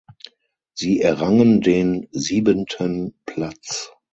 Sie errangen den siebenten Platz.